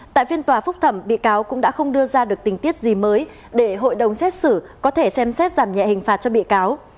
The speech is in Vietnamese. tại phiên tòa phúc thẩm bị cáo cũng đã không đưa ra được tình tiết gì mới để hội đồng xét xử có thể xem xét giảm nhẹ hình phạt cho bị cáo